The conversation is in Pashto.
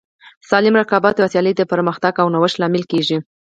سالم رقابت او سیالي د پرمختګ او نوښت لامل کیږي.